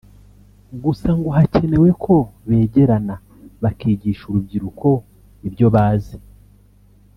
Gusa ngo hakenewe ko begerana bakigisha urubyiruko ibyo bazi